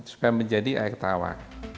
supaya menjadi air tawar